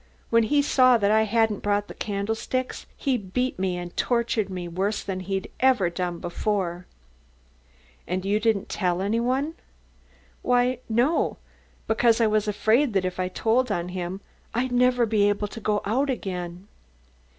When he saw that I hadn't brought the candlesticks he beat me and tortured me worse than he'd ever done before." "And you didn't tell anyone?" "Why, no; because I was afraid that if I told on him, I'd never be able to go out again."